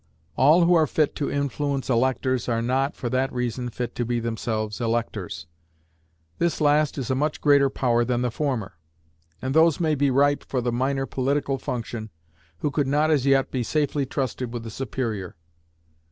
All who are fit to influence electors are not, for that reason, fit to be themselves electors. This last is a much greater power than the former, and those may be ripe for the minor political function who could not as yet be safely trusted with the superior.